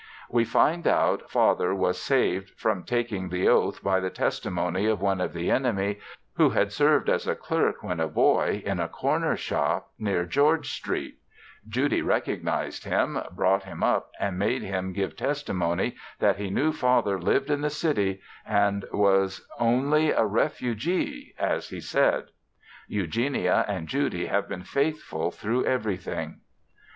We find out Father was saved from taking the oath by the testimony of one of the enemy, who had served as a clerk when a boy in a corner shop near George St. Judy recognized him, brought him up and made him give testimony that he knew Father lived in the city, and was only a refugee, as he said. Eugenia and Judy have been faithful through everything.